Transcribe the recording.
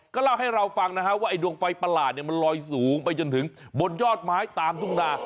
ก็เล่าให้เราฟังนะฮะว่าไอดวงไฟประหลาดมันลอยสูงไปจนถึงบนยอดไม้ตามทุ่งนา